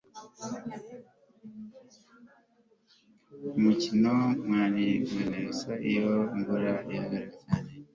umukino ntiwari guhagarikwa iyo imvura itagwa cyane